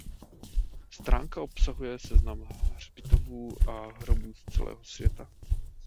Stránka obsahuje seznam hřbitovů a hrobů z celého světa.